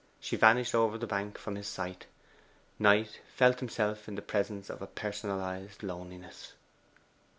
She vanished over the bank from his sight. Knight felt himself in the presence of a personalized loneliness.